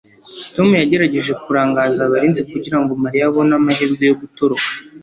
tom yagerageje kurangaza abarinzi kugirango mariya abone amahirwe yo gutoroka